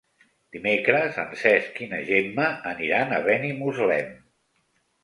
Dimecres en Cesc i na Gemma aniran a Benimuslem.